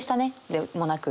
でもなく